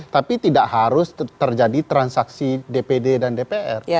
tapi tidak harus terjadi transaksi dpd dan dpr